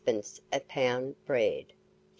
a pound; bread, 5s.